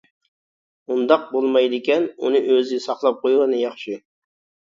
ئۇنداق بولمايدىكەن ئۇنى ئۆزى ساقلاپ قويغىنى ياخشى.